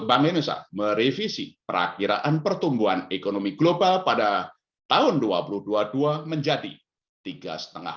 bank indonesia merevisi perakhiraan pertumbuhan ekonomi global pada tahun dua ribu dua puluh dua menjadi tiga lima